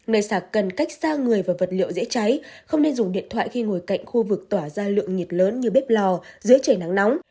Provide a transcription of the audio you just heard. nơi sạc cần cách xa người và vật liệu dễ cháy không nên dùng điện thoại khi ngồi cạnh khu vực tỏa ra lượng nhiệt lớn như bếp lò dưới trời nắng nóng